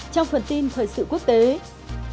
trong phần tin thời sự quốc tế